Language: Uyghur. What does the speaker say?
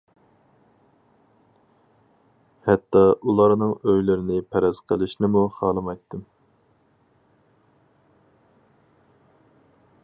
ھەتتا، ئۇلارنىڭ ئويلىرىنى پەرەز قىلىشنىمۇ خالىمايتتىم.